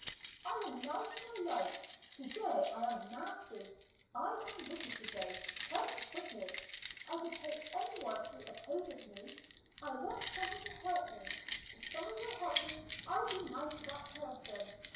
"I am nice when I like. To day I am nasty. I am wicked to day quite wicked; I could hate any one who opposes me. I want some one to help me; if some one will help me, I will be nice to that person.